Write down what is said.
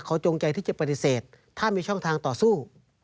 เขาจงใจที่จะปฏิเสธถ้ามีช่องทางต่อสู้